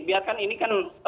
biarkan ini kan